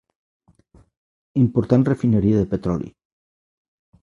Important refineria de petroli.